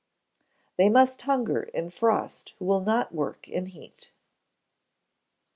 [THEY MUST HUNGER IN FROST WHO WILL NOT WORK IN HEAT.